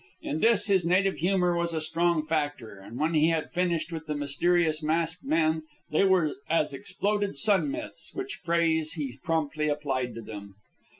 In this his native humor was a strong factor, and when he had finished with the mysterious masked men they were as exploded sun myths, which phrase he promptly applied to them.